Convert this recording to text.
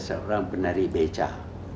seorang penarik becah